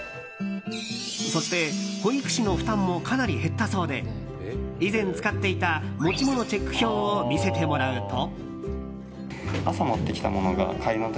そして保育士の負担もかなり減ったそうで以前使っていた持ち物チェック表を見せてもらうと。